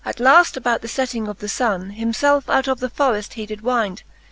At laft, about the fetting of the funne, Him felfe out of the forreft he did wynd.